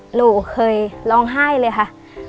หนูเคยร้องไห้เลยค่ะ